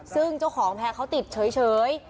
ซึ่งเจ้าของแพร่เขาติดเฉย